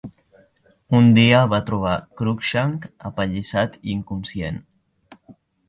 Un dia va trobar Crookshank apallissat i inconscient.